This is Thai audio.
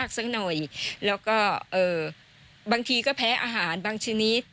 ก็แพ้อาหารบางชนิด